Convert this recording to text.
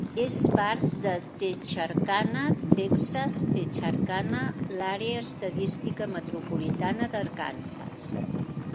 És part de Texarkana, Texas - Texarkana, l'àrea estadística metropolitana d'Arkansas.